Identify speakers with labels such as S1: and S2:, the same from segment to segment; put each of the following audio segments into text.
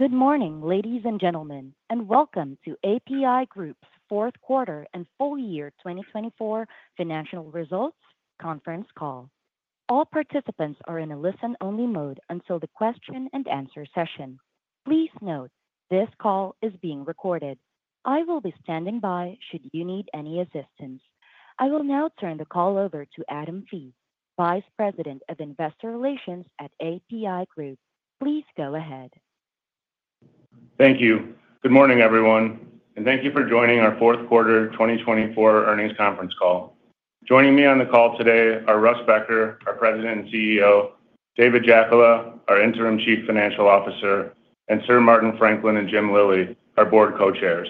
S1: Good morning, ladies and gentlemen, and welcome to APi Group's Fourth Quarter and Full Year 2024 Financial Results Conference Call. All participants are in a listen-only mode until the question-and-answer session. Please note, this call is being recorded. I will be standing by should you need any assistance. I will now turn the call over to Adam Fee, Vice President of Investor Relations at APi Group. Please go ahead.
S2: Thank you. Good morning, everyone, and thank you for joining our fourth quarter 2024 earnings conference call. Joining me on the call today are Russ Becker, our President and CEO, David Jackola, our Interim Chief Financial Officer, and Sir Martin Franklin and Jim Lillie, our Board Co-Chairs.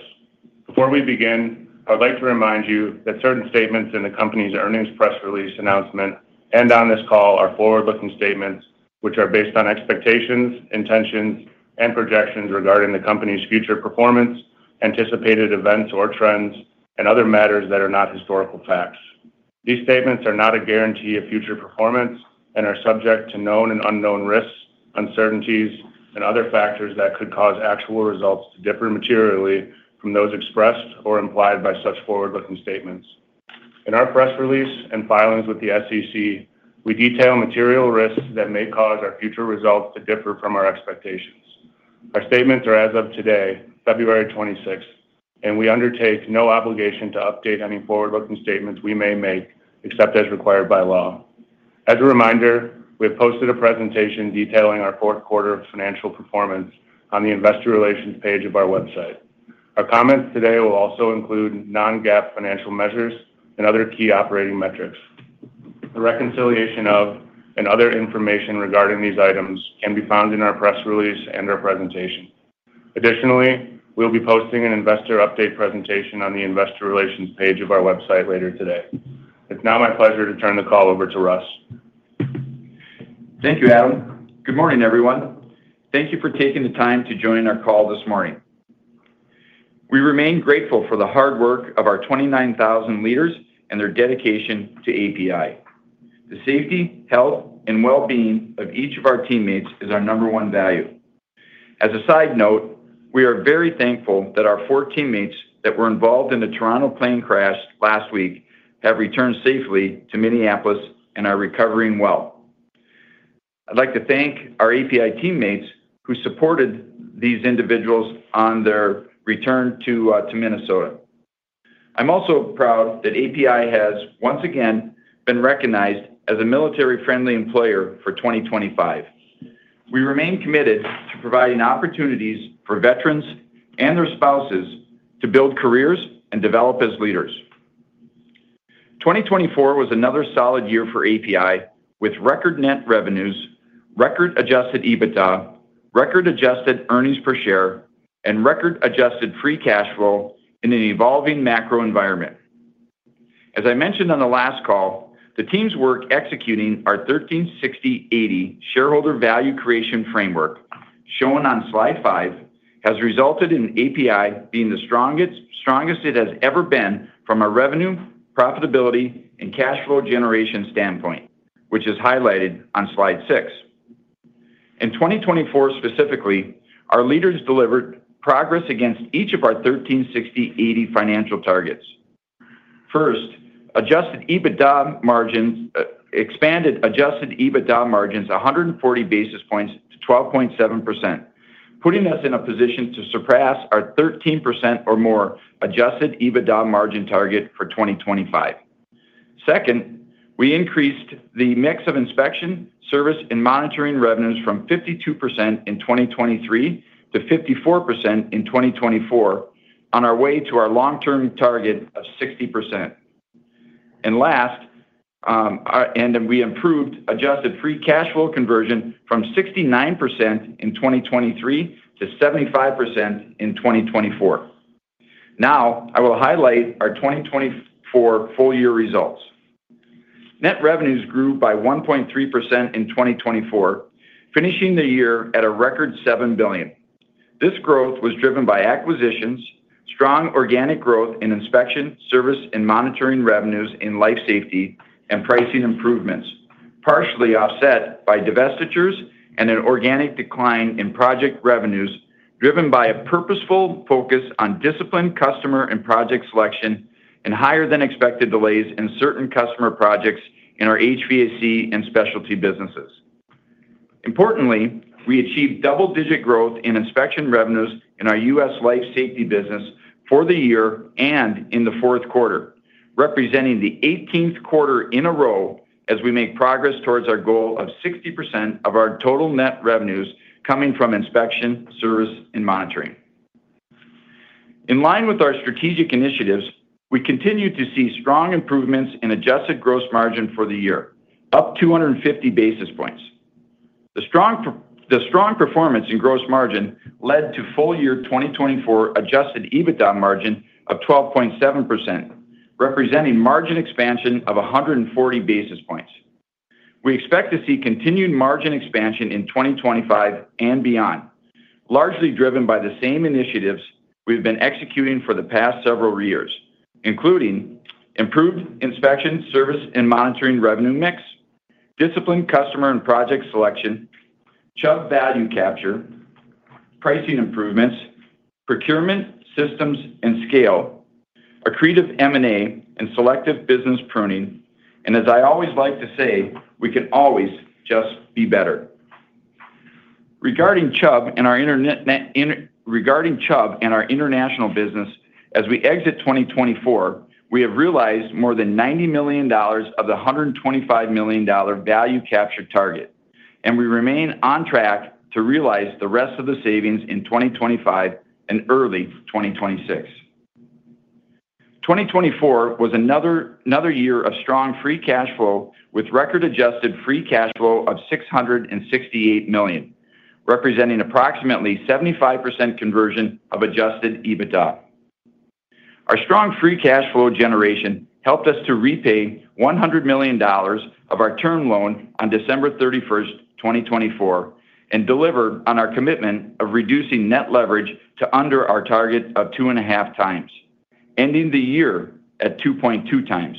S2: Before we begin, I would like to remind you that certain statements in the company's earnings press release announcement and on this call are forward-looking statements, which are based on expectations, intentions, and projections regarding the company's future performance, anticipated events or trends, and other matters that are not historical facts. These statements are not a guarantee of future performance and are subject to known and unknown risks, uncertainties, and other factors that could cause actual results to differ materially from those expressed or implied by such forward-looking statements. In our press release and filings with the SEC, we detail material risks that may cause our future results to differ from our expectations. Our statements are as of today, February 26th, and we undertake no obligation to update any forward-looking statements we may make except as required by law. As a reminder, we have posted a presentation detailing our fourth quarter financial performance on the Investor Relations page of our website. Our comments today will also include non-GAAP financial measures and other key operating metrics. The reconciliation of and other information regarding these items can be found in our press release and our presentation. Additionally, we will be posting an investor update presentation on the Investor Relations page of our website later today. It's now my pleasure to turn the call over to Russ.
S3: Thank you, Adam. Good morning, everyone. Thank you for taking the time to join our call this morning. We remain grateful for the hard work of our 29,000 leaders and their dedication to APi. The safety, health, and well-being of each of our teammates is our number one value. As a side note, we are very thankful that our four teammates that were involved in the Toronto plane crash last week have returned safely to Minneapolis and are recovering well. I'd like to thank our APi teammates who supported these individuals on their return to Minnesota. I'm also proud that APi has once again been recognized as a military-friendly employer for 2025. We remain committed to providing opportunities for veterans and their spouses to build careers and develop as leaders. 2024 was another solid year for APi with record net revenues, record Adjusted EBITDA, record adjusted earnings per share, and record adjusted free cash flow in an evolving macro environment. As I mentioned on the last call, the team's work executing our 13/60/80 shareholder value creation framework, shown on slide five, has resulted in APi being the strongest it has ever been from a revenue, profitability, and cash flow generation standpoint, which is highlighted on slide six. In 2024 specifically, our leaders delivered progress against each of our 13/60/80 financial targets. First, Adjusted EBITDA margins expanded 140 basis points to 12.7%, putting us in a position to surpass our 13% or more Adjusted EBITDA margin target for 2025. Second, we increased the mix of inspection, service, and monitoring revenues from 52% in 2023 to 54% in 2024 on our way to our long-term target of 60%. And last, we improved adjusted free cash flow conversion from 69% in 2023 to 75% in 2024. Now, I will highlight our 2024 full year results. Net revenues grew by 1.3% in 2024, finishing the year at a record $7 billion. This growth was driven by acquisitions, strong organic growth in inspection, service, and monitoring revenues in life safety and pricing improvements, partially offset by divestitures and an organic decline in project revenues driven by a purposeful focus on disciplined customer and project selection and higher-than-expected delays in certain customer projects in our HVAC and specialty businesses. Importantly, we achieved double-digit growth in inspection revenues in our U.S. life safety business for the year and in the fourth quarter, representing the 18th quarter in a row as we make progress towards our goal of 60% of our total net revenues coming from inspection, service, and monitoring. In line with our strategic initiatives, we continue to see strong improvements in adjusted gross margin for the year, up 250 basis points. The strong performance in gross margin led to full year 2024 Adjusted EBITDA margin of 12.7%, representing margin expansion of 140 basis points. We expect to see continued margin expansion in 2025 and beyond, largely driven by the same initiatives we have been executing for the past several years, including improved inspection, service, and monitoring revenue mix, disciplined customer and project selection, Chubb value capture, pricing improvements, procurement systems and scale, accretive M&A, and selective business pruning, and as I always like to say, we can always just be better. Regarding Chubb and our international business, as we exit 2024, we have realized more than $90 million of the $125 million value capture target, and we remain on track to realize the rest of the savings in 2025 and early 2026. 2024 was another year of strong free cash flow with record adjusted free cash flow of $668 million, representing approximately 75% conversion of Adjusted EBITDA. Our strong free cash flow generation helped us to repay $100 million of our term loan on December 31st, 2024, and deliver on our commitment of reducing net leverage to under our target of 2.5x, ending the year at 2.2x.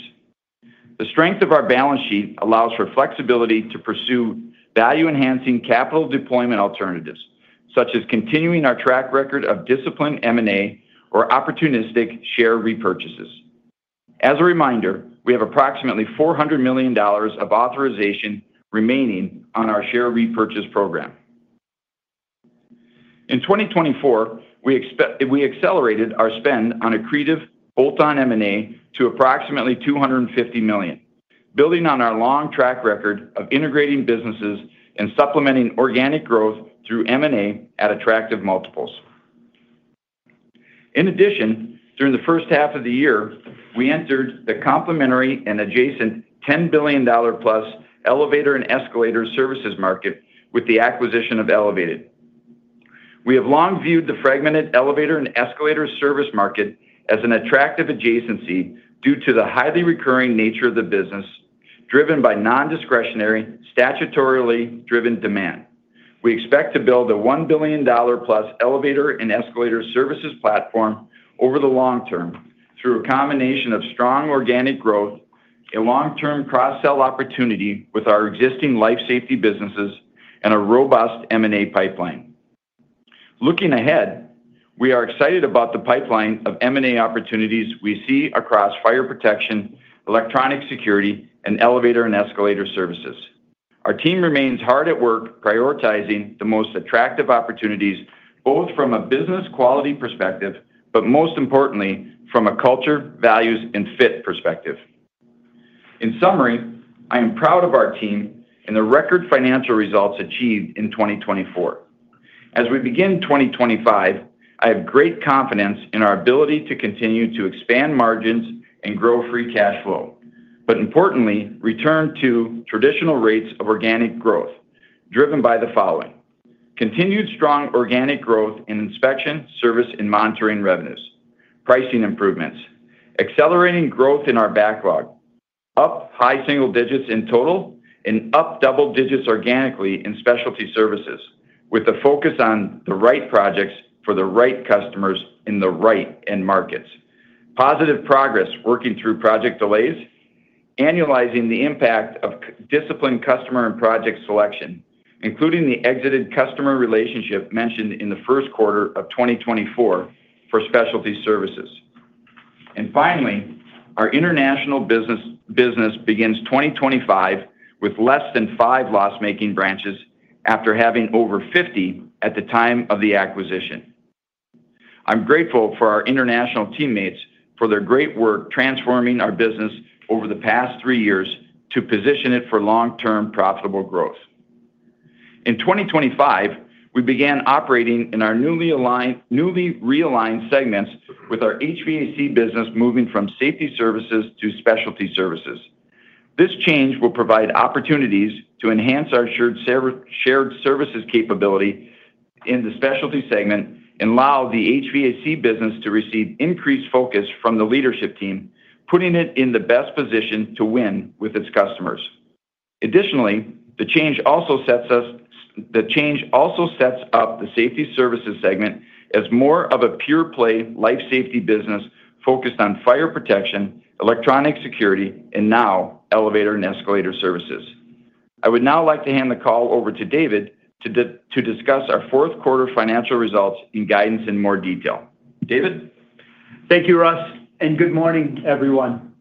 S3: The strength of our balance sheet allows for flexibility to pursue value-enhancing capital deployment alternatives, such as continuing our track record of disciplined M&A or opportunistic share repurchases. As a reminder, we have approximately $400 million of authorization remaining on our share repurchase program. In 2024, we accelerated our spend on accretive bolt-on M&A to approximately $250 million, building on our long track record of integrating businesses and supplementing organic growth through M&A at attractive multiples. In addition, during the first half of the year, we entered the complementary and adjacent $10 billion-plus elevator and escalator services market with the acquisition of Elevated. We have long viewed the fragmented elevator and escalator service market as an attractive adjacency due to the highly recurring nature of the business, driven by non-discretionary, statutorily driven demand. We expect to build a $1 billion-plus elevator and escalator services platform over the long term through a combination of strong organic growth, a long-term cross-sell opportunity with our existing life safety businesses, and a robust M&A pipeline. Looking ahead, we are excited about the pipeline of M&A opportunities we see across fire protection, electronic security, and elevator and escalator services. Our team remains hard at work prioritizing the most attractive opportunities, both from a business quality perspective, but most importantly, from a culture, values, and fit perspective. In summary, I am proud of our team and the record financial results achieved in 2024. As we begin 2025, I have great confidence in our ability to continue to expand margins and grow free cash flow, but importantly, return to traditional rates of organic growth driven by the following: continued strong organic growth in inspection, service, and monitoring revenues, pricing improvements, accelerating growth in our backlog, up high single digits in total, and up double digits organically in specialty services, with a focus on the right projects for the right customers in the right end markets, positive progress working through project delays, annualizing the impact of disciplined customer and project selection, including the exited customer relationship mentioned in the first quarter of 2024 for specialty services, and finally, our international business begins 2025 with less than five loss-making branches after having over 50 at the time of the acquisition. I'm grateful for our international teammates for their great work transforming our business over the past three years to position it for long-term profitable growth. In 2025, we began operating in our newly realigned segments with our HVAC business moving from safety services to specialty services. This change will provide opportunities to enhance our shared services capability in the specialty segment and allow the HVAC business to receive increased focus from the leadership team, putting it in the best position to win with its customers. Additionally, the change also sets up the safety services segment as more of a pure-play life safety business focused on fire protection, electronic security, and now elevator and escalator services. I would now like to hand the call over to David to discuss our fourth quarter financial results and guidance in more detail. David?
S4: Thank you, Russ, and good morning, everyone.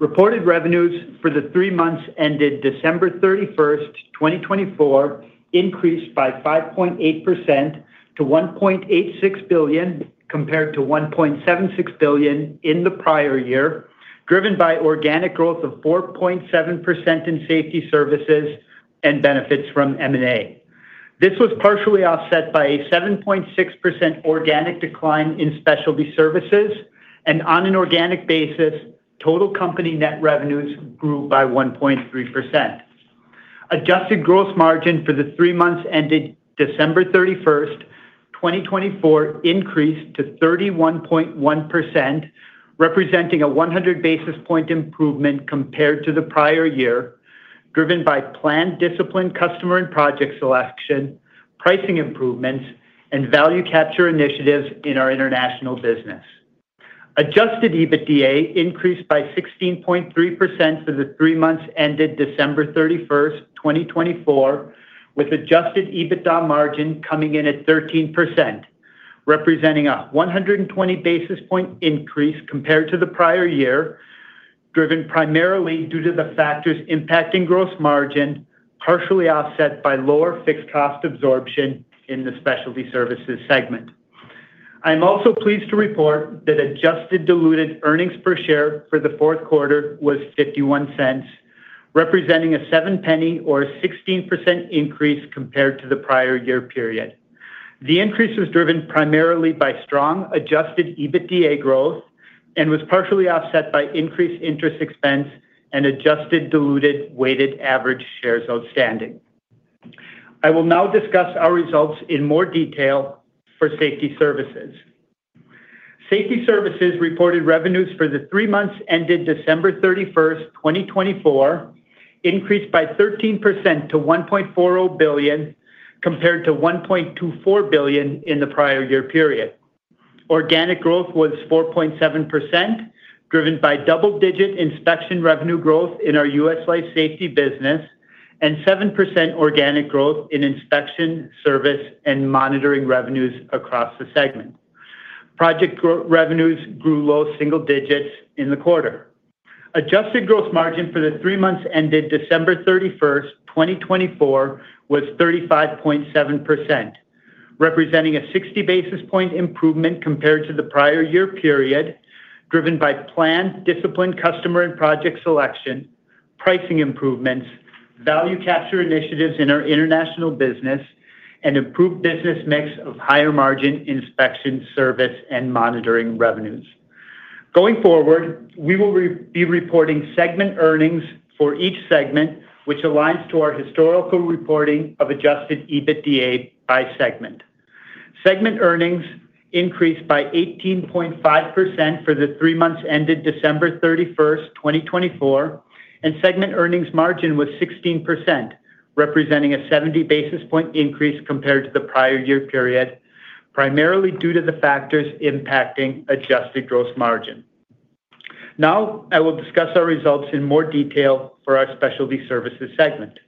S4: Reported revenues for the three months ended December 31st, 2024, increased by 5.8% to $1.86 billion compared to $1.76 billion in the prior year, driven by organic growth of 4.7% in safety services and benefits from M&A. This was partially offset by a 7.6% organic decline in specialty services, and on an organic basis, total company net revenues grew by 1.3%. Adjusted gross margin for the three months ended December 31st, 2024, increased to 31.1%, representing a 100 basis points improvement compared to the prior year, driven by planned disciplined customer and project selection, pricing improvements, and value capture initiatives in our international business. Adjusted EBITDA increased by 16.3% for the three months ended December 31st, 2024, with Adjusted EBITDA margin coming in at 13%, representing a 120 basis point increase compared to the prior year, driven primarily due to the factors impacting gross margin, partially offset by lower fixed cost absorption in the specialty services segment. I'm also pleased to report that adjusted diluted earnings per share for the fourth quarter was $0.51, representing a seven cents or a 16% increase compared to the prior year period. The increase was driven primarily by strong Adjusted EBITDA growth and was partially offset by increased interest expense and adjusted diluted weighted average shares outstanding. I will now discuss our results in more detail for safety services. Safety services reported revenues for the three months ended December 31st, 2024, increased by 13% to $1.40 billion compared to $1.24 billion in the prior year period. Organic growth was 4.7%, driven by double-digit inspection revenue growth in our U.S. life safety business and 7% organic growth in inspection, service, and monitoring revenues across the segment. Project revenues grew low single digits in the quarter. Adjusted gross margin for the three months ended December 31st, 2024, was 35.7%, representing a 60 basis point improvement compared to the prior year period, driven by planned disciplined customer and project selection, pricing improvements, value capture initiatives in our international business, and improved business mix of higher margin inspection, service, and monitoring revenues. Going forward, we will be reporting segment earnings for each segment, which aligns to our historical reporting of Adjusted EBITDA by segment. Segment earnings increased by 18.5% for the three months ended December 31st, 2024, and segment earnings margin was 16%, representing a 70 basis point increase compared to the prior year period, primarily due to the factors impacting adjusted gross margin. Now, I will discuss our results in more detail for our specialty services segment.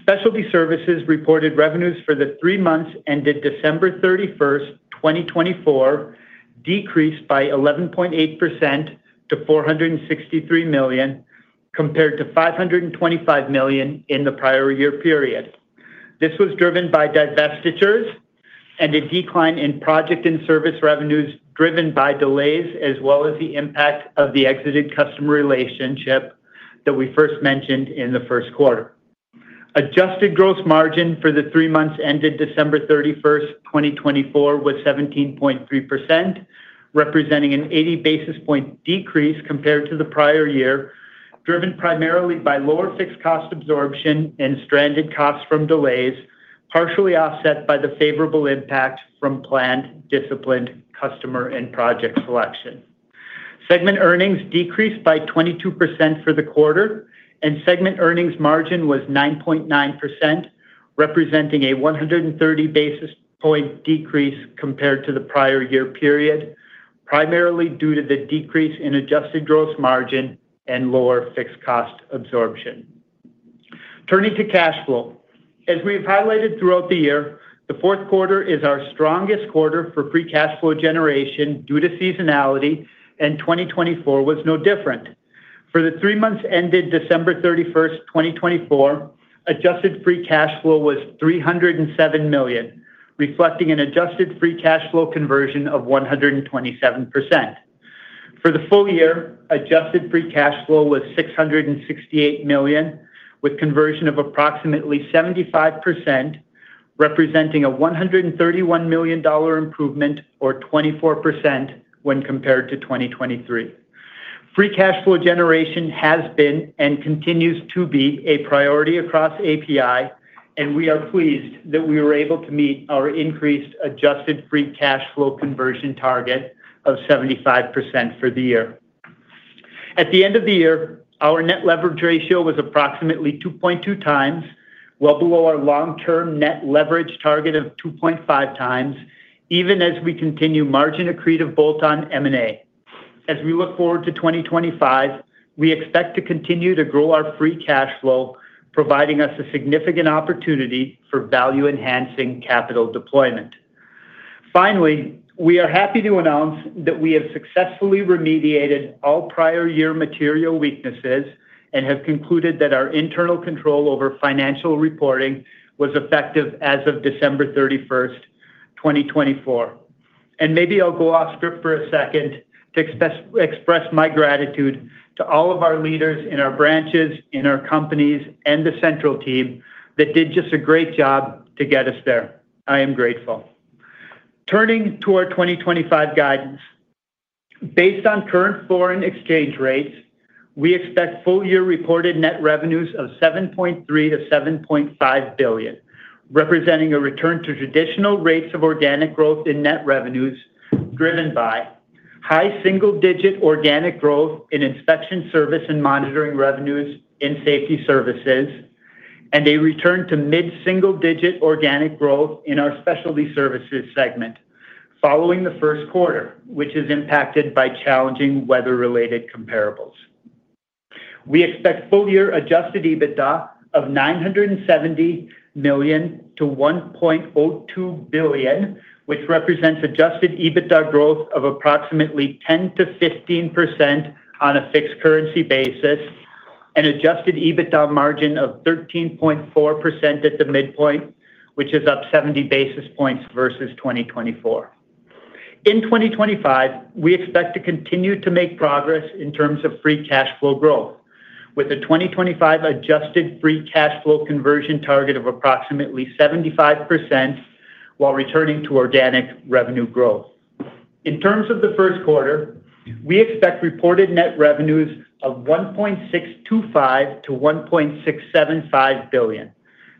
S4: Specialty services reported revenues for the three months ended December 31st, 2024, decreased by 11.8% to $463 million compared to $525 million in the prior year period. This was driven by divestitures and a decline in project and service revenues driven by delays, as well as the impact of the exited customer relationship that we first mentioned in the first quarter. Adjusted gross margin for the three months ended December 31st, 2024, was 17.3%, representing an 80 basis points decrease compared to the prior year, driven primarily by lower fixed cost absorption and stranded costs from delays, partially offset by the favorable impact from planned disciplined customer and project selection. Segment earnings decreased by 22% for the quarter, and segment earnings margin was 9.9%, representing a 130 basis points decrease compared to the prior year period, primarily due to the decrease in adjusted gross margin and lower fixed cost absorption. Turning to cash flow. As we've highlighted throughout the year, the fourth quarter is our strongest quarter for free cash flow generation due to seasonality, and 2024 was no different. For the three months ended December 31st, 2024, adjusted free cash flow was $307 million, reflecting an adjusted free cash flow conversion of 127%. For the full year, adjusted free cash flow was $668 million, with conversion of approximately 75%, representing a $131 million improvement or 24% when compared to 2023. Free cash flow generation has been and continues to be a priority across APi, and we are pleased that we were able to meet our increased adjusted free cash flow conversion target of 75% for the year. At the end of the year, our net leverage ratio was approximately 2.2x, well below our long-term net leverage target of 2.5x, even as we continue margin accretive bolt-on M&A. As we look forward to 2025, we expect to continue to grow our free cash flow, providing us a significant opportunity for value-enhancing capital deployment. Finally, we are happy to announce that we have successfully remediated all prior year material weaknesses and have concluded that our internal control over financial reporting was effective as of December 31st, 2024. And maybe I'll go off script for a second to express my gratitude to all of our leaders in our branches, in our companies, and the central team that did just a great job to get us there. I am grateful. Turning to our 2025 guidance. Based on current foreign exchange rates, we expect full-year reported net revenues of $7.3 billion-$7.5 billion, representing a return to traditional rates of organic growth in net revenues driven by high single-digit organic growth in inspection, service, and monitoring revenues in safety services, and a return to mid-single-digit organic growth in our specialty services segment following the first quarter, which is impacted by challenging weather-related comparables. We expect full-year Adjusted EBITDA of $970 million-$1.02 billion, which represents Adjusted EBITDA growth of approximately 10%-15% on a fixed currency basis, and Adjusted EBITDA margin of 13.4% at the midpoint, which is up 70 basis points versus 2024. In 2025, we expect to continue to make progress in terms of free cash flow growth, with a 2025 adjusted free cash flow conversion target of approximately 75% while returning to organic revenue growth. In terms of the first quarter, we expect reported net revenues of $1.625 billion-$1.675 billion.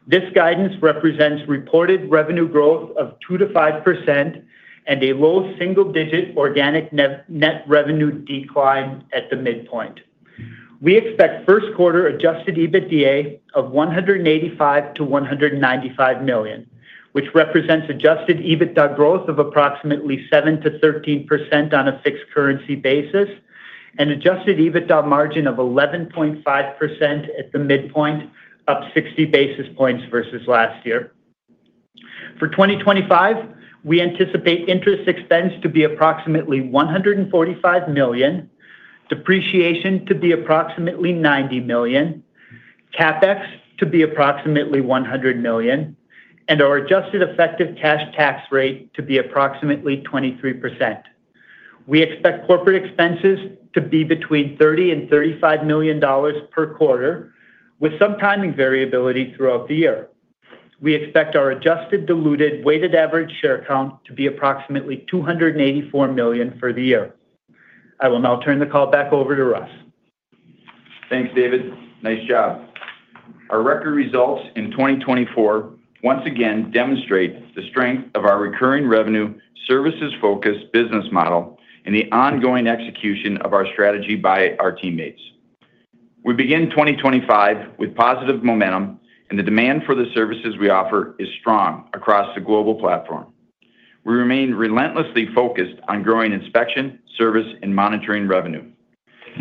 S4: This guidance represents reported revenue growth of 2%-5% and a low single-digit organic net revenue decline at the midpoint. We expect first quarter Adjusted EBITDA of $185 million-$195 million, which represents Adjusted EBITDA growth of approximately 7%-13% on a fixed currency basis, and Adjusted EBITDA margin of 11.5% at the midpoint, up 60 basis points versus last year. For 2025, we anticipate interest expense to be approximately $145 million, depreciation to be approximately $90 million, CapEx to be approximately $100 million, and our adjusted effective cash tax rate to be approximately 23%. We expect corporate expenses to be between $30 and $35 million per quarter, with some timing variability throughout the year. We expect our adjusted diluted weighted average share count to be approximately 284 million for the year. I will now turn the call back over to Russ.
S3: Thanks, David. Nice job. Our record results in 2024 once again demonstrate the strength of our recurring revenue services-focused business model and the ongoing execution of our strategy by our teammates. We begin 2025 with positive momentum, and the demand for the services we offer is strong across the global platform. We remain relentlessly focused on growing inspection, service, and monitoring revenue.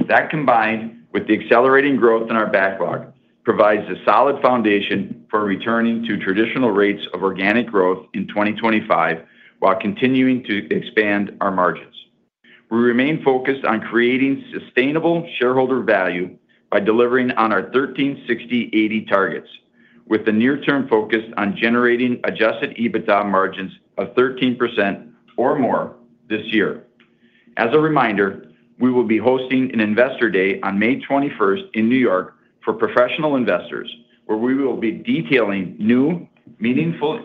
S3: That combined with the accelerating growth in our backlog provides a solid foundation for returning to traditional rates of organic growth in 2025 while continuing to expand our margins. We remain focused on creating sustainable shareholder value by delivering on our 13/60/80 targets, with the near-term focus on generating Adjusted EBITDA margins of 13% or more this year. As a reminder, we will be hosting an investor day on May 21st in New York for professional investors, where we will be detailing new, meaningfully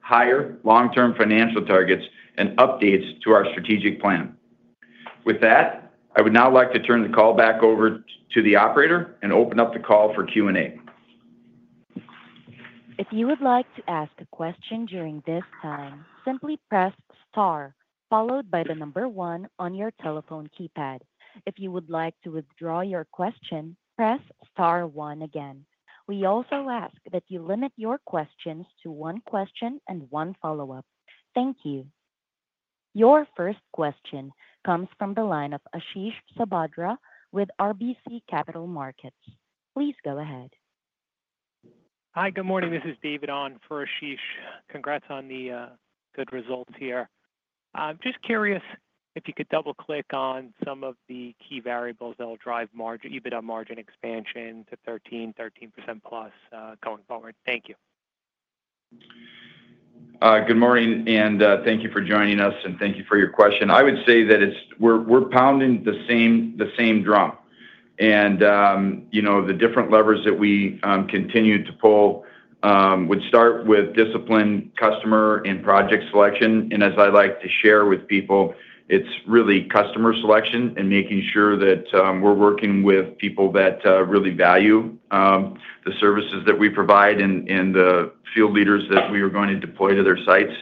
S3: higher long-term financial targets and updates to our strategic plan. With that, I would now like to turn the call back over to the operator and open up the call for Q&A.
S1: If you would like to ask a question during this time, simply press star, followed by the number one on your telephone keypad. If you would like to withdraw your question, press star one again. We also ask that you limit your questions to one question and one follow-up. Thank you. Your first question comes from the line of Ashish Sabadra with RBC Capital Markets. Please go ahead. Hi, good morning. This is David on for Ashish. Congrats on the good results here. I'm just curious if you could double-click on some of the key variables that will drive EBITDA margin expansion to 13, 13% plus going forward. Thank you.
S3: Good morning, and thank you for joining us, and thank you for your question. I would say that we're pounding the same drum, and the different levers that we continue to pull would start with discipline, customer, and project selection, and as I like to share with people, it's really customer selection and making sure that we're working with people that really value the services that we provide and the field leaders that we are going to deploy to their sites.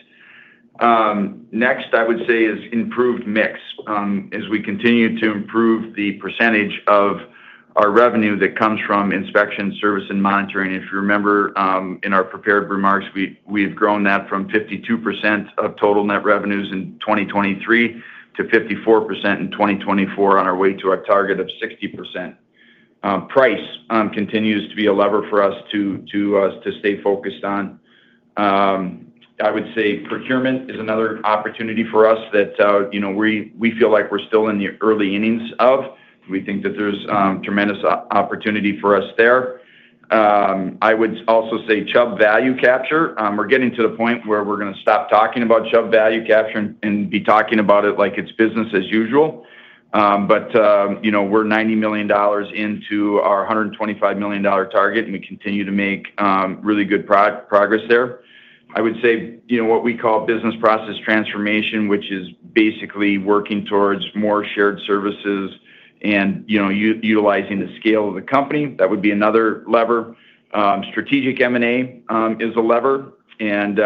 S3: Next, I would say is improved mix, as we continue to improve the percentage of our revenue that comes from inspection, service, and monitoring. If you remember in our prepared remarks, we have grown that from 52% of total net revenues in 2023 to 54% in 2024 on our way to our target of 60%. Price continues to be a lever for us to stay focused on. I would say procurement is another opportunity for us that we feel like we're still in the early innings of. We think that there's tremendous opportunity for us there. I would also say Chubb value capture. We're getting to the point where we're going to stop talking about Chubb value capture and be talking about it like it's business as usual. But we're $90 million into our $125 million target, and we continue to make really good progress there. I would say what we call business process transformation, which is basically working towards more shared services and utilizing the scale of the company. That would be another lever. Strategic M&A is a lever. And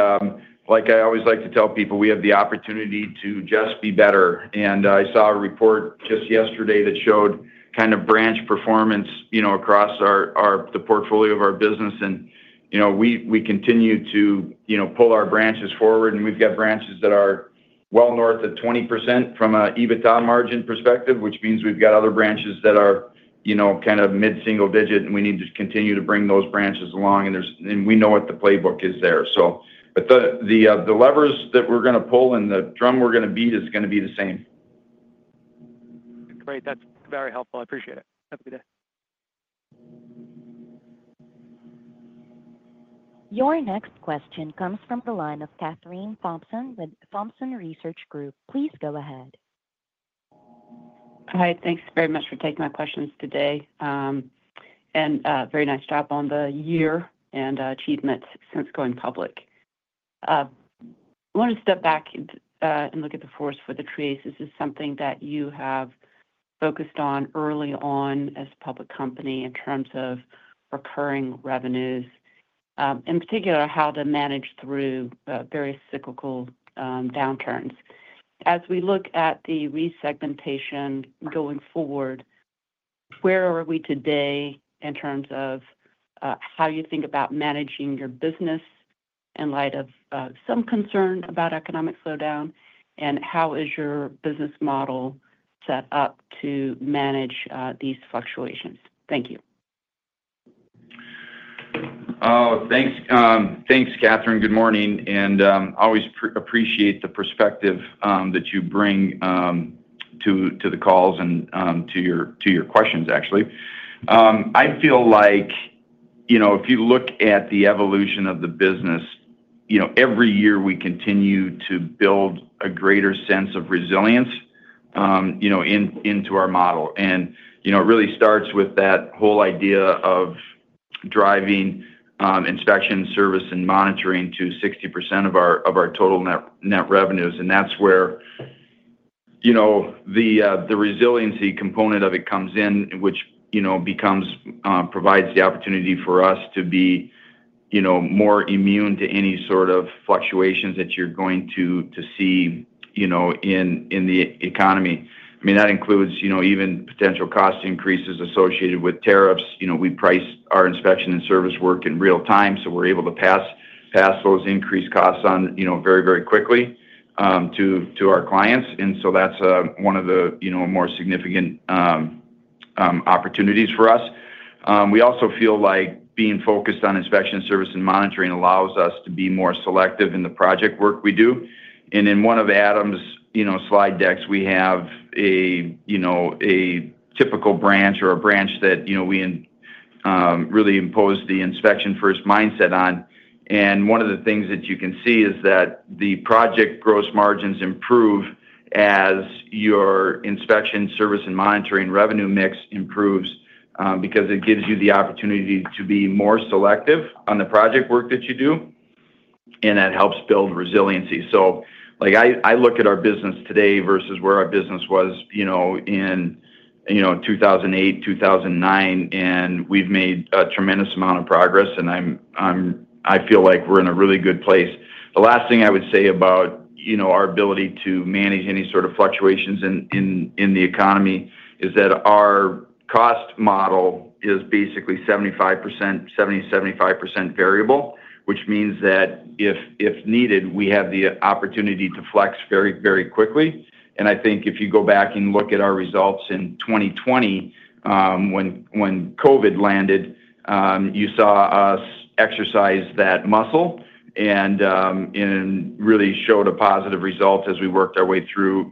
S3: like I always like to tell people, we have the opportunity to just be better. And I saw a report just yesterday that showed kind of branch performance across the portfolio of our business. And we continue to pull our branches forward, and we've got branches that are well north of 20% from an EBITDA margin perspective, which means we've got other branches that are kind of mid-single digit, and we need to continue to bring those branches along. And we know what the playbook is there. So the levers that we're going to pull and the drum we're going to beat is going to be the same. Great. That's very helpful. I appreciate it. Have a good day.
S1: Your next question comes from the line of Kathryn Thompson with Thompson Research Group. Please go ahead.
S5: Hi. Thanks very much for taking my questions today, and very nice job on the year and achievements since going public. I want to step back and look at the forest for the trees. This is something that you have focused on early on as a public company in terms of recurring revenues, in particular how to manage through various cyclical downturns. As we look at the resegmentation going forward, where are we today in terms of how you think about managing your business in light of some concern about economic slowdown, and how is your business model set up to manage these fluctuations? Thank you.
S3: Oh, thanks. Thanks, Kathryn. Good morning, and I always appreciate the perspective that you bring to the calls and to your questions, actually. I feel like if you look at the evolution of the business, every year we continue to build a greater sense of resilience into our model, and it really starts with that whole idea of driving inspection, service, and monitoring to 60% of our total net revenues, and that's where the resiliency component of it comes in, which provides the opportunity for us to be more immune to any sort of fluctuations that you're going to see in the economy. I mean, that includes even potential cost increases associated with tariffs. We price our inspection and service work in real time, so we're able to pass those increased costs on very, very quickly to our clients, and so that's one of the more significant opportunities for us. We also feel like being focused on inspection, service, and monitoring allows us to be more selective in the project work we do, and in one of Adam's slide decks, we have a typical branch or a branch that we really impose the inspection-first mindset on, and one of the things that you can see is that the project gross margins improve as your inspection, service, and monitoring revenue mix improves because it gives you the opportunity to be more selective on the project work that you do, and that helps build resiliency, so I look at our business today versus where our business was in 2008, 2009, and we've made a tremendous amount of progress, and I feel like we're in a really good place. The last thing I would say about our ability to manage any sort of fluctuations in the economy is that our cost model is basically 70%-75% variable, which means that if needed, we have the opportunity to flex very, very quickly. And I think if you go back and look at our results in 2020, when COVID landed, you saw us exercise that muscle and really showed a positive result as we worked our way through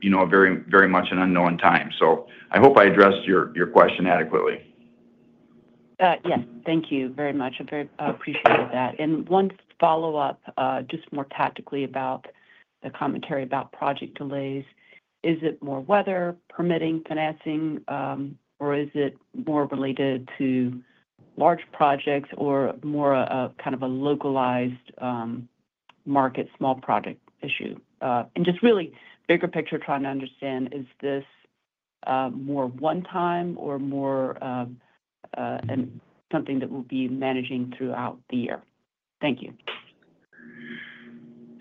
S3: very much an unknown time. So I hope I addressed your question adequately.
S5: Yes. Thank you very much. I appreciate that. And one follow-up, just more tactically about the commentary about project delays. Is it more weather permitting, financing, or is it more related to large projects or more of kind of a localized market small project issue? And just really bigger picture trying to understand, is this more one-time or more something that will be managing throughout the year? Thank you.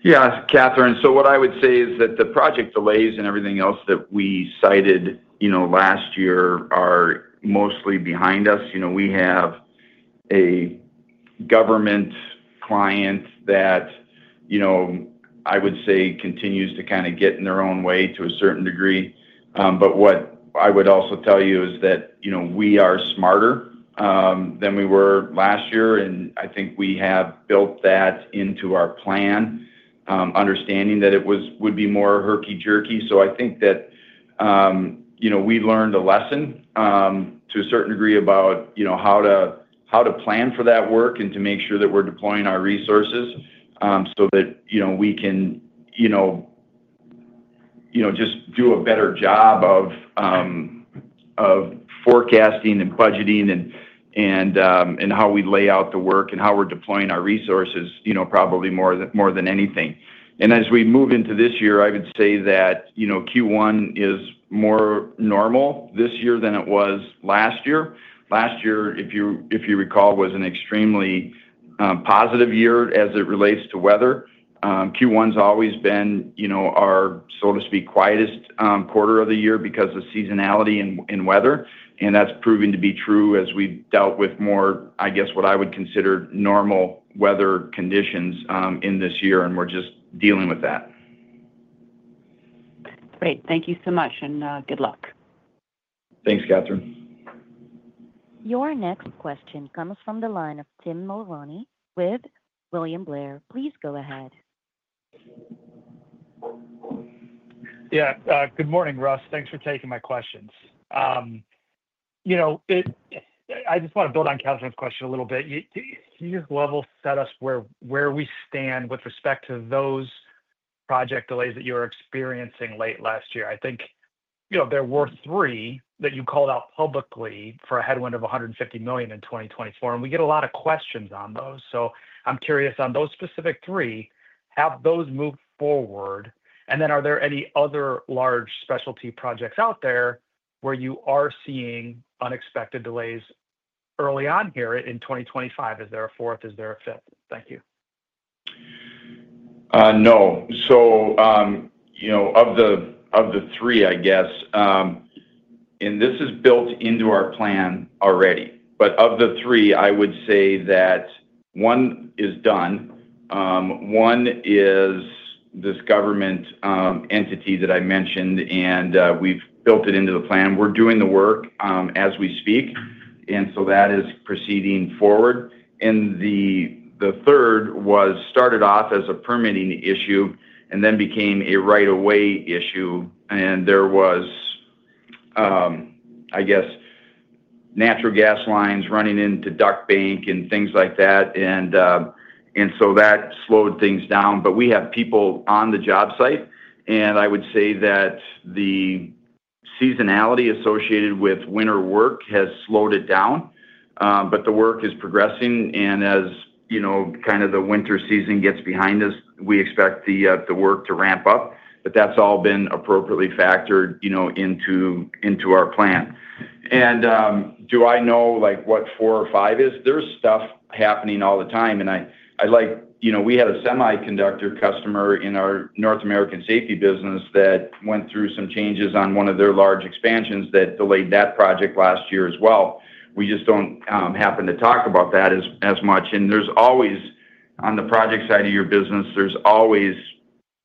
S3: Yeah. Kathryn, so what I would say is that the project delays and everything else that we cited last year are mostly behind us. We have a government client that I would say continues to kind of get in their own way to a certain degree. But what I would also tell you is that we are smarter than we were last year, and I think we have built that into our plan, understanding that it would be more herky-jerky. So I think that we learned a lesson to a certain degree about how to plan for that work and to make sure that we're deploying our resources so that we can just do a better job of forecasting and budgeting and how we lay out the work and how we're deploying our resources probably more than anything. As we move into this year, I would say that Q1 is more normal this year than it was last year. Last year, if you recall, was an extremely positive year as it relates to weather. Q1 has always been our, so to speak, quietest quarter of the year because of seasonality and weather. That's proving to be true as we dealt with more, I guess, what I would consider normal weather conditions in this year, and we're just dealing with that.
S5: Great. Thank you so much, and good luck.
S3: Thanks, Kathryn.
S1: Your next question comes from the line of Tim Mulrooney with William Blair. Please go ahead.
S6: Yeah. Good morning, Russ. Thanks for taking my questions. I just want to build on Kathryn's question a little bit. Can you just level set us where we stand with respect to those project delays that you were experiencing late last year? I think there were three that you called out publicly for a headwind of $150 million in 2024, and we get a lot of questions on those. So I'm curious, on those specific three, have those moved forward? And then are there any other large specialty projects out there where you are seeing unexpected delays early on here in 2025? Is there a fourth? Is there a fifth? Thank you.
S3: No. So of the three, I guess, and this is built into our plan already. But of the three, I would say that one is done. One is this government entity that I mentioned, and we've built it into the plan. We're doing the work as we speak, so that is proceeding forward. The third was started off as a permitting issue and then became a right-of-way issue. There was, I guess, natural gas lines running into duct bank and things like that, so that slowed things down. We have people on the job site, and I would say that the seasonality associated with winter work has slowed it down. The work is progressing, and as kind of the winter season gets behind us, we expect the work to ramp up. That's all been appropriately factored into our plan. Do I know what four or five is? There's stuff happening all the time. I like we had a semiconductor customer in our North American safety business that went through some changes on one of their large expansions that delayed that project last year as well. We just don't happen to talk about that as much. And there's always on the project side of your business, there's always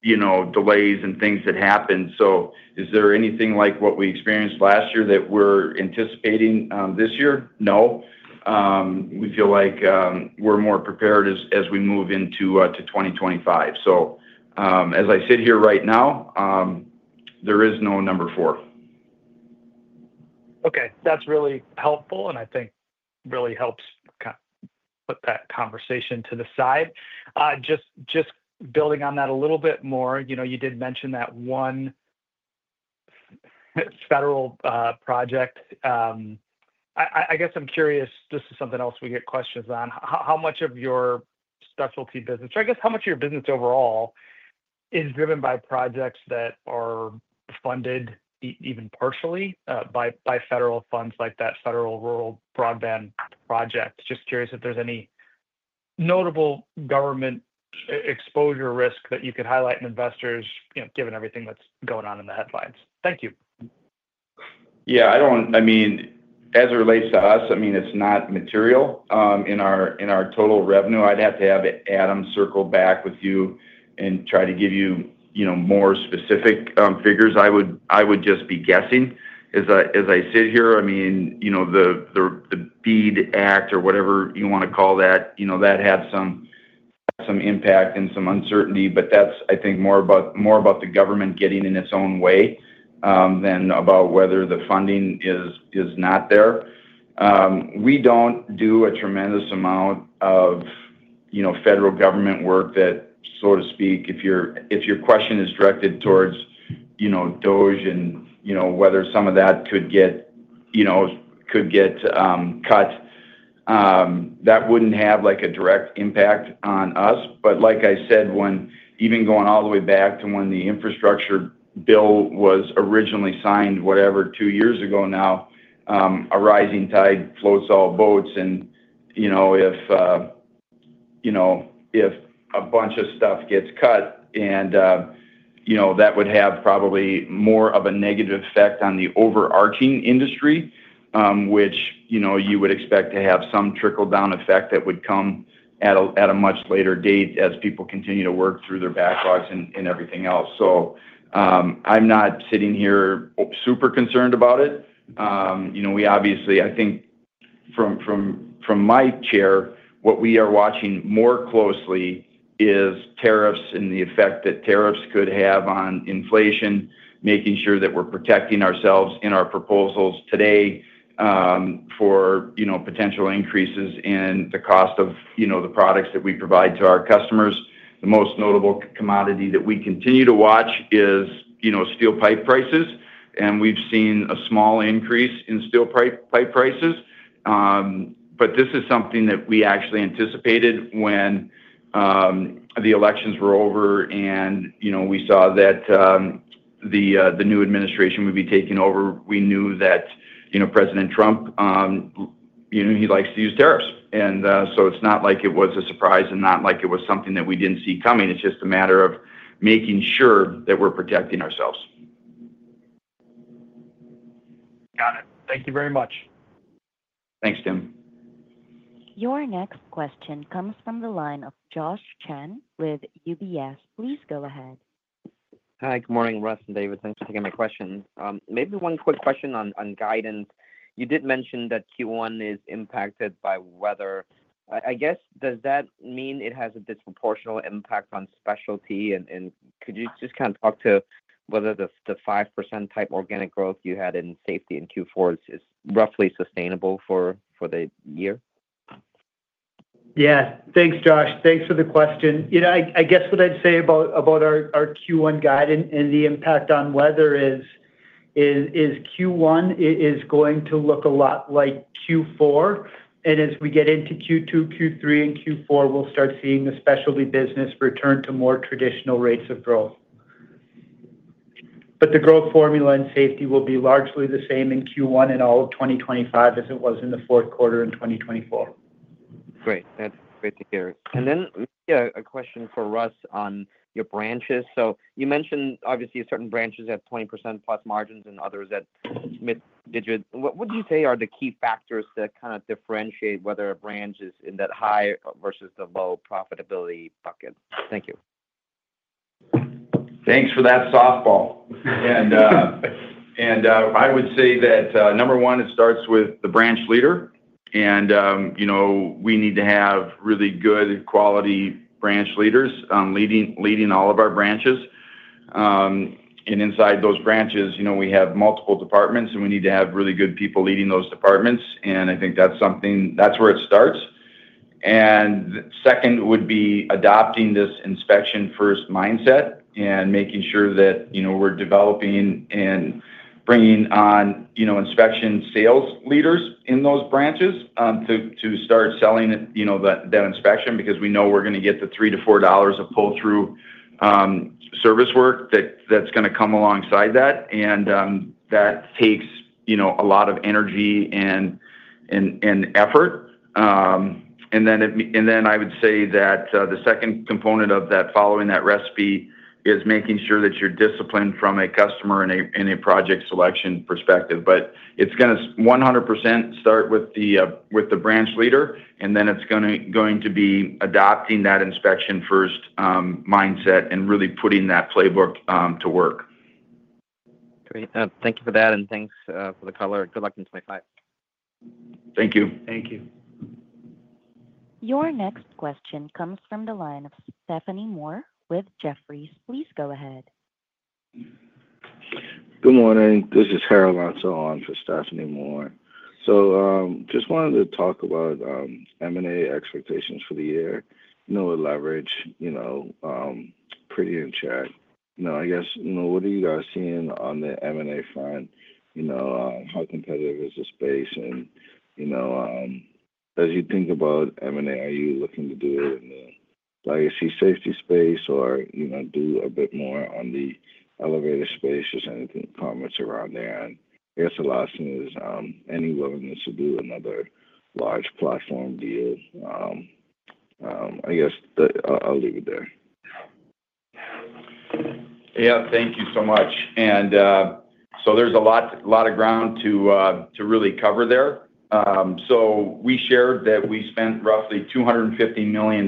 S3: delays and things that happen. So is there anything like what we experienced last year that we're anticipating this year? No. We feel like we're more prepared as we move into 2025. So as I sit here right now, there is no number four.
S6: Okay. That's really helpful, and I think really helps kind of put that conversation to the side. Just building on that a little bit more, you did mention that one federal project. I guess I'm curious, this is something else we get questions on. How much of your specialty business, or I guess how much of your business overall is driven by projects that are funded even partially by federal funds like that federal rural broadband project? Just curious if there's any notable government exposure risk that you could highlight for investors, given everything that's going on in the headlines. Thank you.
S3: Yeah. I mean, as it relates to us, I mean, it's not material in our total revenue. I'd have to have Adam circle back with you and try to give you more specific figures. I would just be guessing. As I sit here, I mean, the BEAD Act or whatever you want to call that, that had some impact and some uncertainty. But that's, I think, more about the government getting in its own way than about whether the funding is not there. We don't do a tremendous amount of federal government work that, so to speak, if your question is directed towards DOGE and whether some of that could get cut, that wouldn't have a direct impact on us. But like I said, even going all the way back to when the infrastructure bill was originally signed, whatever, two years ago now, a rising tide floats all boats. And if a bunch of stuff gets cut, that would have probably more of a negative effect on the overarching industry, which you would expect to have some trickle-down effect that would come at a much later date as people continue to work through their backlogs and everything else. So I'm not sitting here super concerned about it. We obviously, I think, from my chair, what we are watching more closely is tariffs and the effect that tariffs could have on inflation, making sure that we're protecting ourselves in our proposals today for potential increases in the cost of the products that we provide to our customers. The most notable commodity that we continue to watch is steel pipe prices. And we've seen a small increase in steel pipe prices. But this is something that we actually anticipated when the elections were over, and we saw that the new administration would be taking over. We knew that President Trump, he likes to use tariffs. And so it's not like it was a surprise and not like it was something that we didn't see coming. It's just a matter of making sure that we're protecting ourselves.
S6: Got it. Thank you very much.
S3: Thanks, Tim.
S1: Your next question comes from the line of Josh Chan with UBS. Please go ahead.
S7: Hi. Good morning, Russell and David. Thanks for taking my question. Maybe one quick question on guidance. You did mention that Q1 is impacted by weather. I guess, does that mean it has a disproportional impact on specialty? And could you just kind of talk to whether the 5% type organic growth you had in safety in Q4 is roughly sustainable for the year?
S4: Yeah. Thanks, Josh. Thanks for the question. I guess what I'd say about our Q1 guide and the impact on weather is Q1 is going to look a lot like Q4. And as we get into Q2, Q3, and Q4, we'll start seeing the specialty business return to more traditional rates of growth. But the growth formula in safety will be largely the same in Q1 in all of 2025 as it was in the fourth quarter in 2024.
S7: Great. That's great to hear. And then a question for Russ on your branches. So you mentioned, obviously, certain branches have 20% plus margins and others at mid-digit. What would you say are the key factors that kind of differentiate whether a branch is in that high versus the low profitability bucket? Thank you.
S3: Thanks for that softball. And I would say that, number one, it starts with the branch leader. And we need to have really good quality branch leaders leading all of our branches. And inside those branches, we have multiple departments, and we need to have really good people leading those departments. And I think that's where it starts. And second would be adopting this inspection-first mindset and making sure that we're developing and bringing on inspection sales leaders in those branches to start selling that inspection because we know we're going to get the $3-$4 of pull-through service work that's going to come alongside that. And that takes a lot of energy and effort. And then I would say that the second component of that following that recipe is making sure that you're disciplined from a customer and a project selection perspective. But it's going to 100% start with the branch leader, and then it's going to be adopting that inspection-first mindset and really putting that playbook to work.
S7: Great. Thank you for that, and thanks for the color. Good luck in 2025.
S3: Thank you.
S4: Thank you.
S1: Your next question comes from the line of Stephanie Moore with Jefferies. Please go ahead.
S8: Good morning. This is Harold Antor on for Stephanie Moore. So just wanted to talk about M&A expectations for the year. Our leverage is pretty in check. I guess, what are you guys seeing on the M&A front? How competitive is the space? And as you think about M&A, are you looking to do it in the legacy safety space or do a bit more on the elevator space? Just any comments around there. And I guess the last thing is any willingness to do another large platform deal. I guess I'll leave it there.
S3: Yeah. Thank you so much. And so there's a lot of ground to really cover there. So we shared that we spent roughly $250 million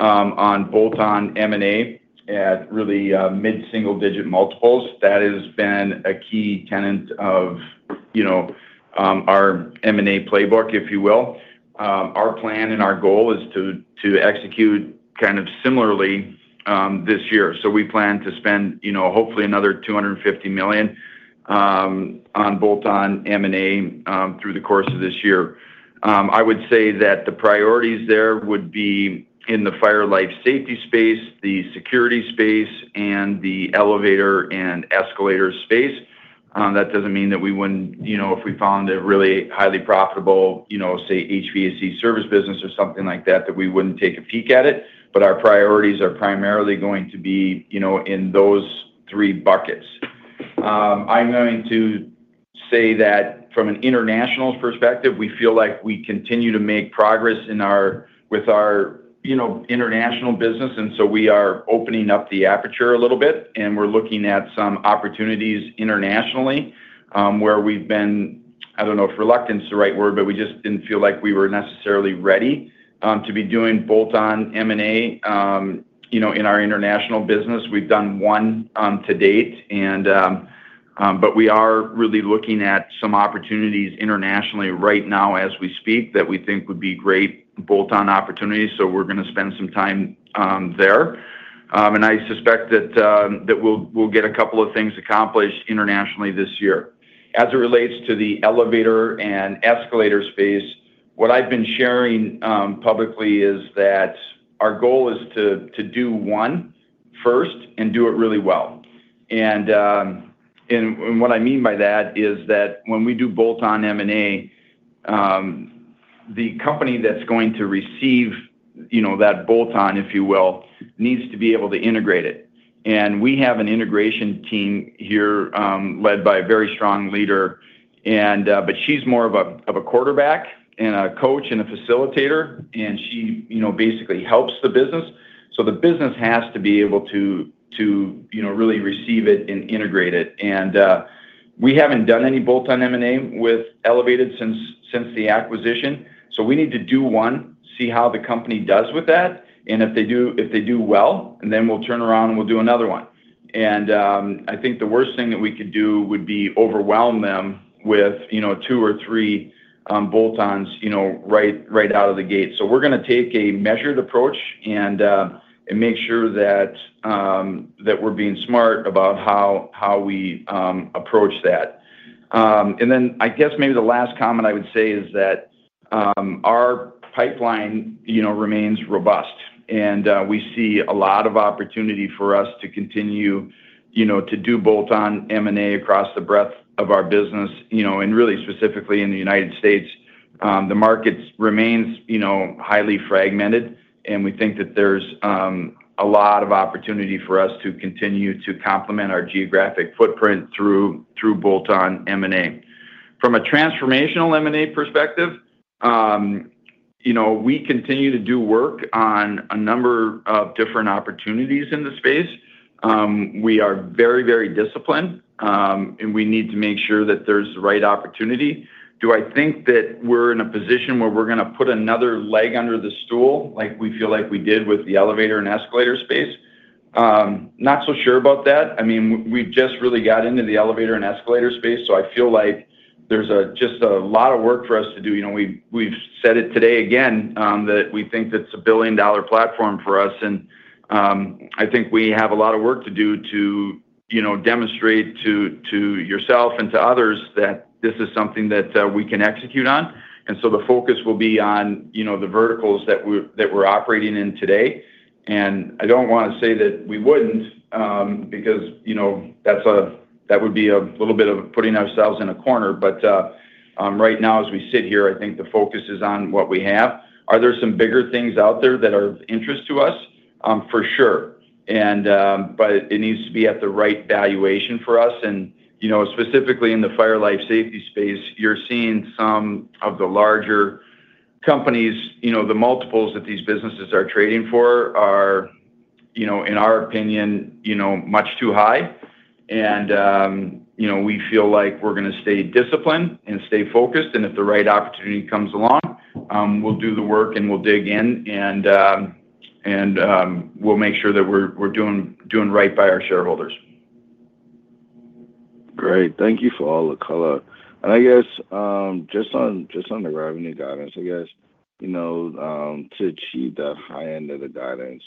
S3: on bolt-on M&A at really mid-single-digit multiples. That has been a key tenet of our M&A playbook, if you will. Our plan and our goal is to execute kind of similarly this year. So we plan to spend hopefully another $250 million on bolt-on M&A through the course of this year. I would say that the priorities there would be in the fire and life safety space, the security space, and the elevator and escalator space. That doesn't mean that we wouldn't, if we found a really highly profitable, say, HVAC service business or something like that, that we wouldn't take a peek at it. But our priorities are primarily going to be in those three buckets. I'm going to say that from an international perspective, we feel like we continue to make progress with our international business. And so we are opening up the aperture a little bit, and we're looking at some opportunities internationally where we've been, I don't know if reluctance is the right word, but we just didn't feel like we were necessarily ready to be doing bolt-on M&A in our international business. We've done one to date. But we are really looking at some opportunities internationally right now as we speak that we think would be great bolt-on opportunities. So we're going to spend some time there. And I suspect that we'll get a couple of things accomplished internationally this year. As it relates to the elevator and escalator space, what I've been sharing publicly is that our goal is to do one first and do it really well. What I mean by that is that when we do bolt-on M&A, the company that's going to receive that bolt-on, if you will, needs to be able to integrate it. We have an integration team here led by a very strong leader. She's more of a quarterback and a coach and a facilitator, and she basically helps the business. The business has to be able to really receive it and integrate it. We haven't done any bolt-on M&A with Elevated since the acquisition. We need to do one, see how the company does with that. If they do well, then we'll turn around and we'll do another one. I think the worst thing that we could do would be overwhelm them with two or three bolt-ons right out of the gate. So we're going to take a measured approach and make sure that we're being smart about how we approach that. And then I guess maybe the last comment I would say is that our pipeline remains robust. And we see a lot of opportunity for us to continue to do bolt-on M&A across the breadth of our business. And really specifically in the United States, the market remains highly fragmented. And we think that there's a lot of opportunity for us to continue to complement our geographic footprint through bolt-on M&A. From a transformational M&A perspective, we continue to do work on a number of different opportunities in the space. We are very, very disciplined, and we need to make sure that there's the right opportunity. Do I think that we're in a position where we're going to put another leg under the stool like we feel like we did with the elevator and escalator space? Not so sure about that. I mean, we just really got into the elevator and escalator space. So I feel like there's just a lot of work for us to do. We've said it today again that we think that it's a billion-dollar platform for us. And I think we have a lot of work to do to demonstrate to yourself and to others that this is something that we can execute on. And so the focus will be on the verticals that we're operating in today. And I don't want to say that we wouldn't because that would be a little bit of putting ourselves in a corner. But right now, as we sit here, I think the focus is on what we have. Are there some bigger things out there that are of interest to us? For sure. But it needs to be at the right valuation for us. And specifically in the fire and life safety space, you're seeing some of the larger companies. The multiples that these businesses are trading for are, in our opinion, much too high. And we feel like we're going to stay disciplined and stay focused. And if the right opportunity comes along, we'll do the work and we'll dig in. And we'll make sure that we're doing right by our shareholders.
S8: Great. Thank you for all the color, and I guess just on the revenue guidance, I guess to achieve that high end of the guidance,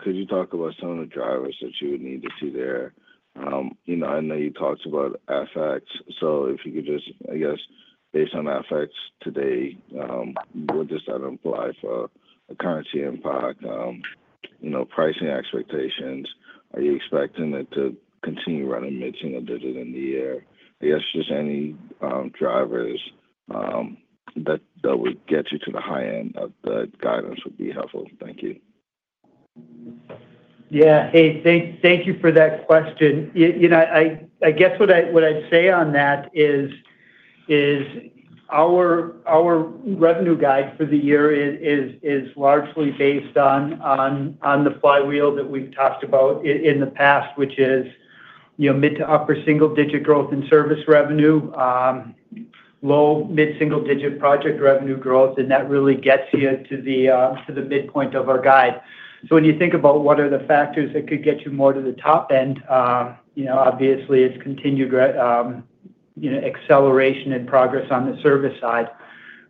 S8: could you talk about some of the drivers that you would need to see there? I know you talked about FX, so if you could just, I guess, based on FX today, what does that imply for currency impact, pricing expectations? Are you expecting it to continue running mid-single digit in the year? I guess just any drivers that would get you to the high end of the guidance would be helpful. Thank you.
S4: Yeah. Hey, thank you for that question. I guess what I'd say on that is our revenue guide for the year is largely based on the flywheel that we've talked about in the past, which is mid- to upper single-digit growth in service revenue, low mid-single-digit project revenue growth, and that really gets you to the midpoint of our guide, so when you think about what are the factors that could get you more to the top end, obviously, it's continued acceleration and progress on the service side,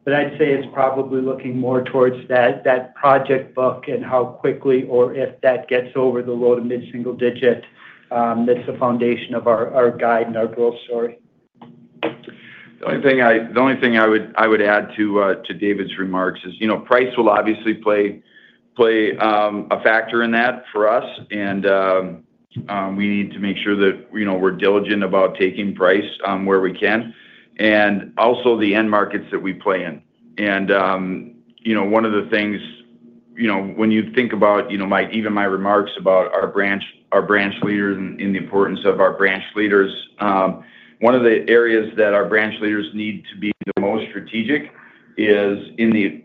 S4: but I'd say it's probably looking more towards that project book and how quickly or if that gets over the low- to mid-single-digit. That's the foundation of our guide and our growth story.
S3: The only thing I would add to David's remarks is price will obviously play a factor in that for us, and we need to make sure that we're diligent about taking price where we can, and also the end markets that we play in, and one of the things when you think about even my remarks about our branch leaders and the importance of our branch leaders, one of the areas that our branch leaders need to be the most strategic is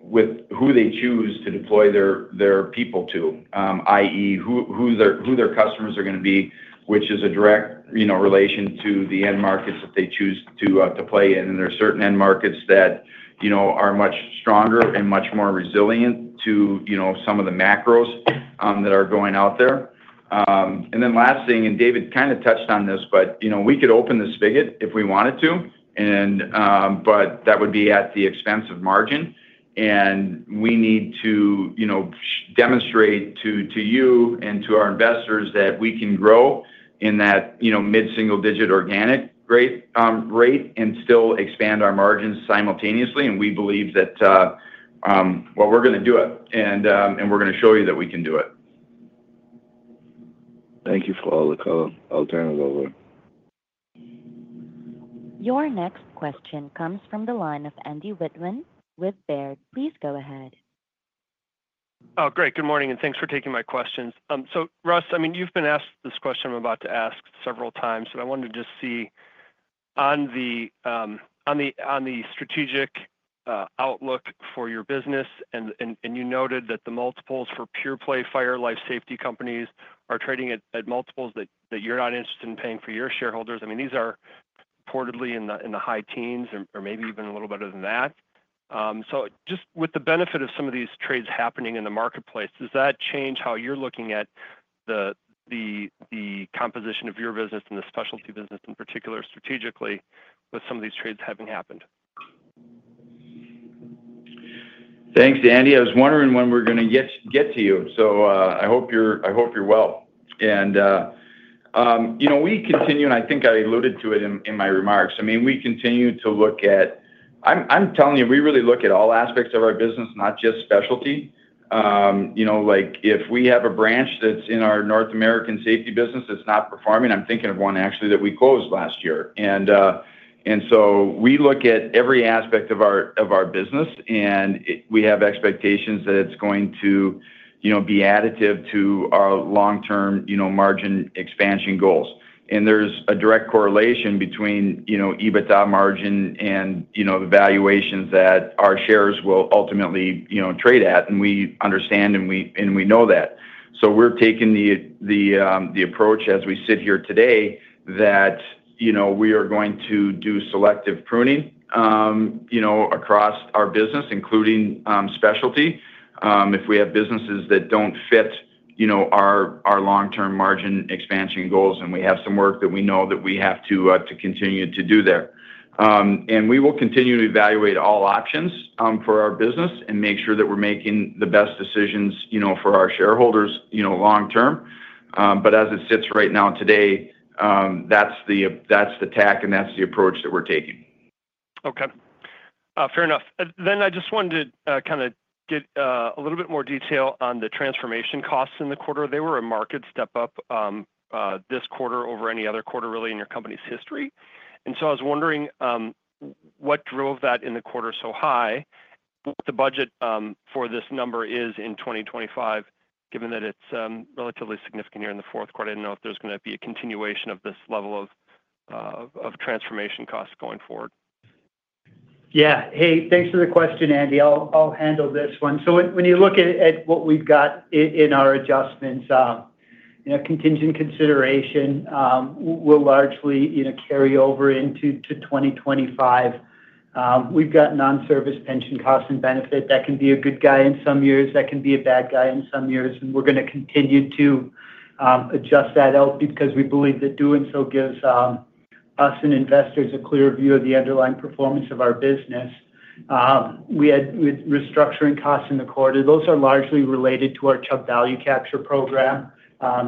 S3: with who they choose to deploy their people to, i.e., who their customers are going to be, which is a direct relation to the end markets that they choose to play in, and there are certain end markets that are much stronger and much more resilient to some of the macros that are going out there. And then, last thing, and David kind of touched on this, but we could open the spigot if we wanted to, but that would be at the expense of margin. And we need to demonstrate to you and to our investors that we can grow in that mid-single digit organic rate and still expand our margins simultaneously. And we believe that, well, we're going to do it. And we're going to show you that we can do it.
S8: Thank you for all the color. I'll turn it over.
S1: Your next question comes from the line of Andy Wittmann with Baird. Please go ahead.
S9: Oh, great. Good morning. And thanks for taking my questions. So Russ, I mean, you've been asked this question I'm about to ask several times. But I wanted to just see on the strategic outlook for your business. And you noted that the multiples for pure-play fire life safety companies are trading at multiples that you're not interested in paying for your shareholders. I mean, these are reportedly in the high teens or maybe even a little better than that. So just with the benefit of some of these trades happening in the marketplace, does that change how you're looking at the composition of your business and the specialty business in particular strategically with some of these trades having happened?
S3: Thanks, Andy. I was wondering when we're going to get to you, so I hope you're well, and we continue, and I think I alluded to it in my remarks. I mean, we continue to look at, I'm telling you, we really look at all aspects of our business, not just specialty. If we have a branch that's in our North American safety business that's not performing, I'm thinking of one actually that we closed last year, and so we look at every aspect of our business, and we have expectations that it's going to be additive to our long-term margin expansion goals, and there's a direct correlation between EBITDA margin and the valuations that our shares will ultimately trade at, and we understand and we know that. So we're taking the approach as we sit here today that we are going to do selective pruning across our business, including specialty, if we have businesses that don't fit our long-term margin expansion goals. And we have some work that we know that we have to continue to do there. And we will continue to evaluate all options for our business and make sure that we're making the best decisions for our shareholders long-term. But as it sits right now today, that's the tack and that's the approach that we're taking.
S9: Okay. Fair enough. Then I just wanted to kind of get a little bit more detail on the transformation costs in the quarter. They were a marked step up this quarter over any other quarter really in your company's history. And so I was wondering what drove that in the quarter so high, what the budget for this number is in 2025, given that it's relatively significant here in the fourth quarter. I don't know if there's going to be a continuation of this level of transformation costs going forward.
S4: Yeah. Hey, thanks for the question, Andy. I'll handle this one, so when you look at what we've got in our adjustments, contingent consideration will largely carry over into 2025. We've got non-service pension costs and benefit that can be a good guy in some years, that can be a bad guy in some years, and we're going to continue to adjust that out because we believe that doing so gives us and investors a clear view of the underlying performance of our business. We had restructuring costs in the quarter. Those are largely related to our Chubb value capture program.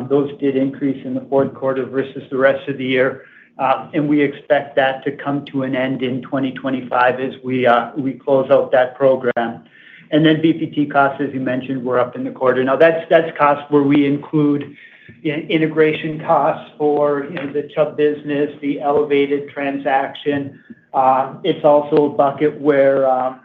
S4: Those did increase in the fourth quarter versus the rest of the year, and we expect that to come to an end in 2025 as we close out that program, and then BPT costs, as you mentioned, were up in the quarter. Now, that's costs where we include integration costs for the Chubb business, the Elevated transaction. It's also a bucket where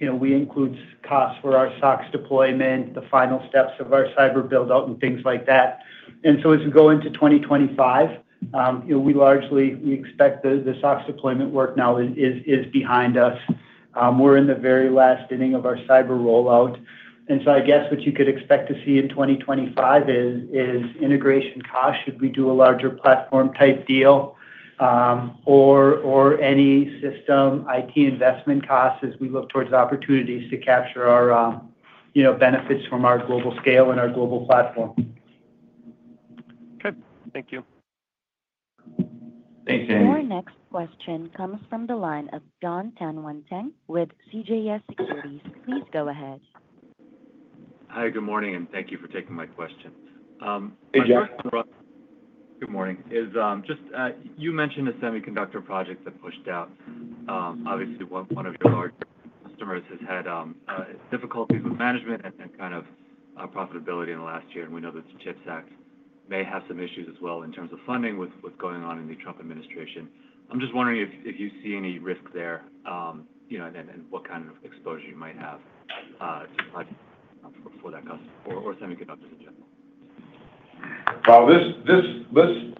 S4: we include costs for our SOX deployment, the final steps of our cyber build-out, and things like that. And so as we go into 2025, we expect the SOX deployment work now is behind us. We're in the very last inning of our cyber rollout. And so I guess what you could expect to see in 2025 is integration costs should we do a larger platform type deal or any system IT investment costs as we look towards opportunities to capture our benefits from our global scale and our global platform.
S9: Okay. Thank you.
S3: Thanks, Andy.
S1: Your next question comes from the line of Jon Tanwanteng with CJS Securities. Please go ahead.
S10: Hi, good morning, and thank you for taking my question.
S3: Hey, Jon.
S10: Good morning. You mentioned a semiconductor project that pushed out. Obviously, one of your large customers has had difficulties with management and kind of profitability in the last year. And we know that the CHIPS Act may have some issues as well in terms of funding with what's going on in the Trump administration. I'm just wondering if you see any risk there and what kind of exposure you might have to projects for that customer or semiconductors in general.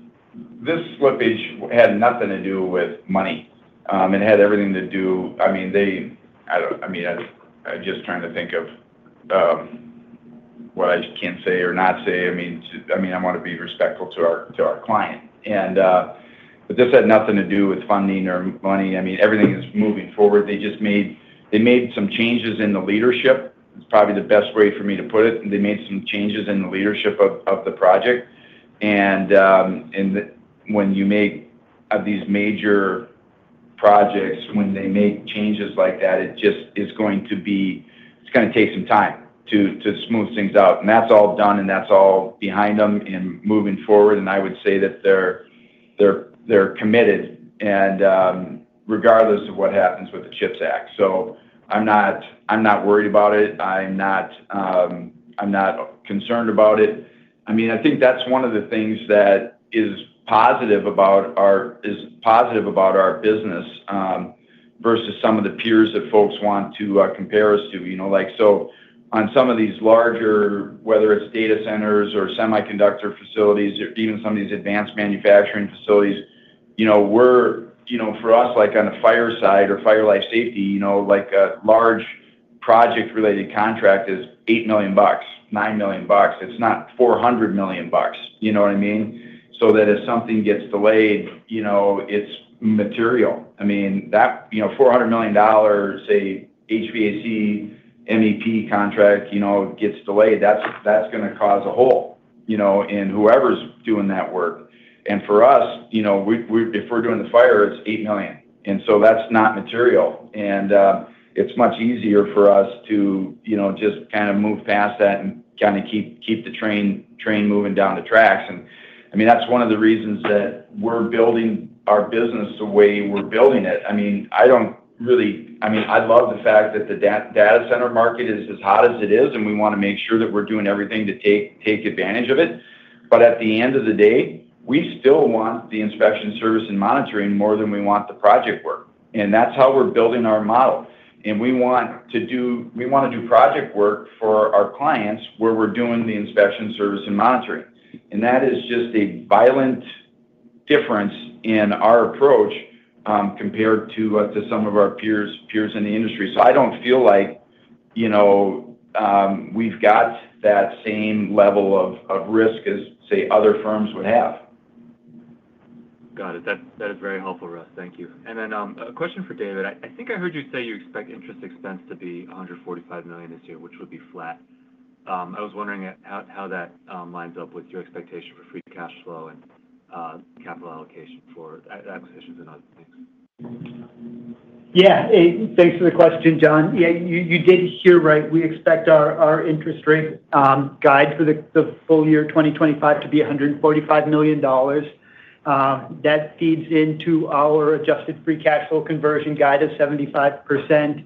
S3: This slippage had nothing to do with money. It had everything to do. I mean, I don't know. I mean, I'm just trying to think of what I can't say or not say. I mean, I want to be respectful to our client. This had nothing to do with funding or money. I mean, everything is moving forward. They made some changes in the leadership. It's probably the best way for me to put it. They made some changes in the leadership of the project. When you make these major projects, when they make changes like that, it's going to take some time to smooth things out. That's all done and that's all behind them and moving forward. I would say that they're committed regardless of what happens with the CHIPS Act. I'm not worried about it. I'm not concerned about it. I mean, I think that's one of the things that is positive about our business versus some of the peers that folks want to compare us to. So on some of these larger, whether it's data centers or semiconductor facilities or even some of these advanced manufacturing facilities, for us, on the fire side or fire life safety, a large project-related contract is $8 million bucks, $9 million bucks. It's not $400 million bucks. You know what I mean? So that if something gets delayed, it's material. I mean, that $400 million dollar, say, HVAC MEP contract gets delayed, that's going to cause a hole in whoever's doing that work. And for us, if we're doing the fire, it's $8 million. And so that's not material. It's much easier for us to just kind of move past that and kind of keep the train moving down the tracks. And I mean, that's one of the reasons that we're building our business the way we're building it. I mean, I don't really. I mean, I love the fact that the data center market is as hot as it is. And we want to make sure that we're doing everything to take advantage of it. But at the end of the day, we still want the inspection service and monitoring more than we want the project work. And that's how we're building our model. And we want to do project work for our clients where we're doing the inspection service and monitoring. And that is just a violent difference in our approach compared to some of our peers in the industry. So I don't feel like we've got that same level of risk as, say, other firms would have.
S10: Got it. That is very helpful, Russ. Thank you. And then a question for David. I think I heard you say you expect interest expense to be $145 million this year, which would be flat. I was wondering how that lines up with your expectation for free cash flow and capital allocation for acquisitions and other things.
S4: Yeah. Hey, thanks for the question, Jon. Yeah, you did hear right. We expect our interest rate guide for the full year 2025 to be $145 million. That feeds into our adjusted free cash flow conversion guide of 75%,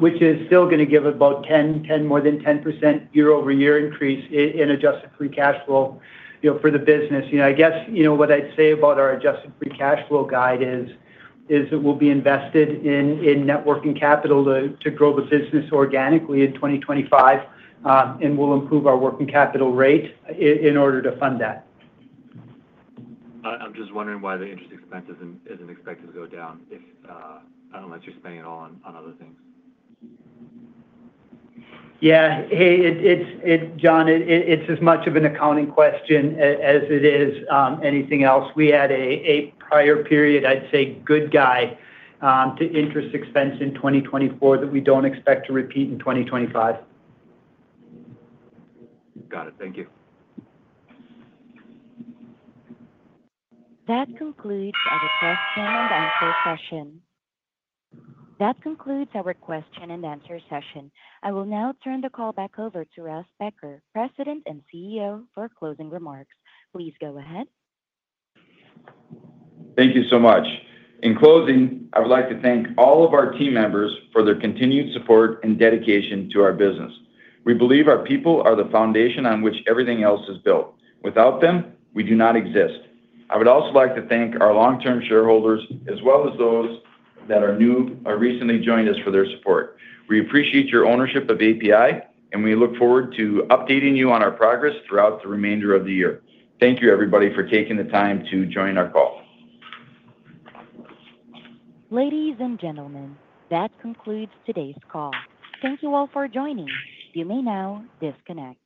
S4: which is still going to give about 10%, more than 10% year-over-year increase in adjusted free cash flow for the business. I guess what I'd say about our adjusted free cash flow guide is it will be invested in net working capital to grow the business organically in 2025, and we'll improve our working capital rate in order to fund that.
S10: I'm just wondering why the interest expense isn't expected to go down unless you're spending it all on other things.
S4: Yeah. Hey, Jon, it's as much of an accounting question as it is anything else. We had a prior period, I'd say, good guy to interest expense in 2024 that we don't expect to repeat in 2025.
S10: Got it. Thank you.
S1: That concludes our question and answer session. I will now turn the call back over to Russ Becker, President and CEO, for closing remarks. Please go ahead.
S3: Thank you so much. In closing, I would like to thank all of our team members for their continued support and dedication to our business. We believe our people are the foundation on which everything else is built. Without them, we do not exist. I would also like to thank our long-term shareholders as well as those that are new or recently joined us for their support. We appreciate your ownership of APi, and we look forward to updating you on our progress throughout the remainder of the year. Thank you, everybody, for taking the time to join our call.
S1: Ladies and gentlemen, that concludes today's call. Thank you all for joining. You may now disconnect.